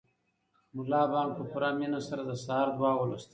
ملا بانګ په پوره مینه سره د سهار دعا ولوسته.